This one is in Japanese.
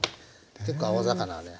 結構青魚はね